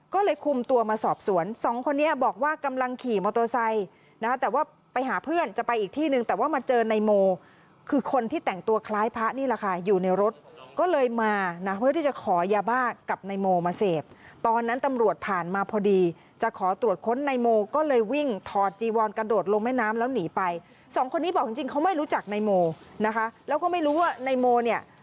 ก็เลยคุมตัวมาสอบสวนสองคนนี้บอกว่ากำลังขี่มอเตอร์ไซค์นะแต่ว่าไปหาเพื่อนจะไปอีกที่นึงแต่ว่ามาเจอนายโมคือคนที่แต่งตัวคล้ายพระนี่แหละค่ะอยู่ในรถก็เลยมานะเพื่อที่จะขอยาบ้ากับนายโมมาเสพตอนนั้นตำรวจผ่านมาพอดีจะขอตรวจค้นในโมก็เลยวิ่งถอดจีวอนกระโดดลงแม่น้ำแล้วหนีไปสองคนนี้บอกจริงจริงเขาไม่รู้จักนายโมนะคะแล้วก็ไม่รู้ว่านายโมเนี่ย